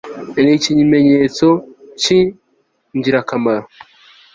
ni ikimenyetso c'ingirakamaro